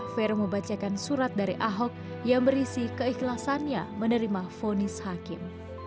vero membacakan surat dari ahok yang berisi keikhlasannya menerima vonis hakim